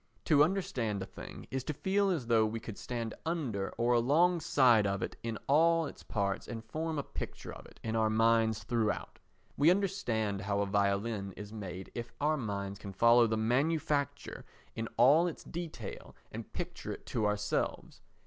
To understand a thing is to feel as though we could stand under or alongside of it in all its parts and form a picture of it in our minds throughout. We understand how a violin is made if our minds can follow the manufacture in all its detail and picture it to ourselves.